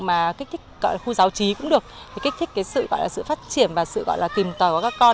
mà kích thích khu giáo trí cũng được kích thích sự phát triển và sự tìm tòi của các con